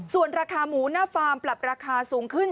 ส่วนราคาหมูหน้าฟาร์มปรับราคาสูงขึ้น